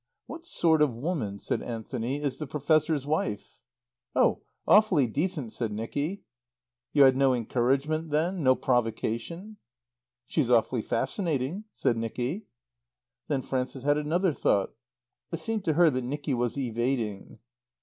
"What sort of woman," said Anthony, "is the Professor's wife?" "Oh, awfully decent," said Nicky. "You had no encouragement, then, no provocation?" "She's awfully fascinating," said Nicky. Then Frances had another thought. It seemed to her that Nicky was evading.